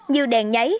như đèn nháy